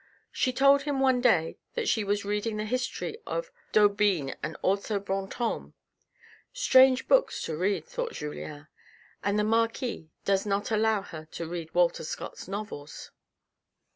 She told him one day that she was reading the 3io THE RED AND THE BLACK History of D'Aubigne and also Brantome. " Strange books to read," thought Julien ;" and the marquis does not allow her to read Walter Scott's novels